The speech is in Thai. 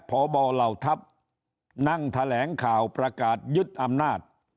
พบเหล่าทัพนั่งแถลงข่าวประกาศยึดอำนาจ